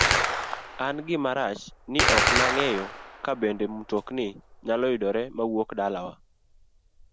an gima rach ni ok nang'eyo kabende motokni nyalo yudore mawuok dalawa e